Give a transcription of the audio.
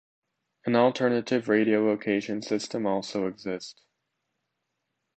An alternative radio location system also exists.